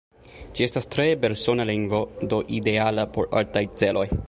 Ĝi estas tre belsona lingvo, do ideala por artaj celoj.